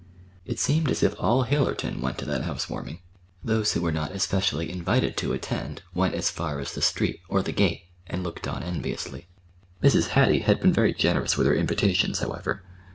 It seemed as if all Hillerton went to that housewarming. Those who were not especially invited to attend went as far as the street or the gate, and looked on enviously. Mrs. Hattie had been very generous with her invitations, however.